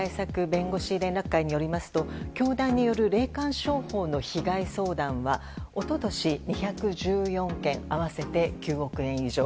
弁護士連絡会によりますと教団による霊感商法の被害相談は一昨年２１４件合わせて９億円以上。